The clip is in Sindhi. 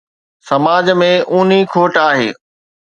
سماج ۾ اونهي کوٽ آهي